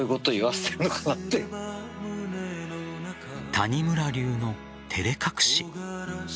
谷村流の照れ隠し。